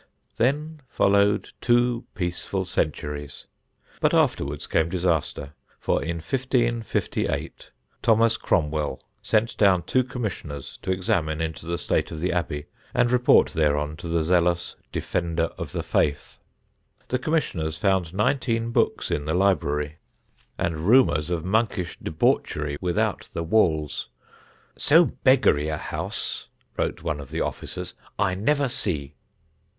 Then followed two peaceful centuries; but afterwards came disaster, for, in 1558, Thomas Cromwell sent down two commissioners to examine into the state of the Abbey and report thereon to the zealous Defender of the Faith. The Commissioners found nineteen books in the library, and rumours of monkish debauchery without the walls. "So beggary a house," wrote one of the officers, "I never see."